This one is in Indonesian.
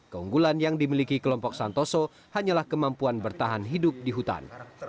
keunggulan yang dimiliki kelompok santoso hanyalah kemampuan bertahan hidup di hutan